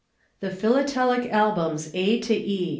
The PHILATELIC ALBUMS A to E.